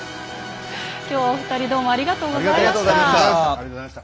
今日はお二人どうもありがとうございました。